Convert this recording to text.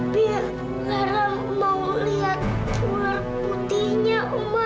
tapi larang mau lihat ular putihnya oma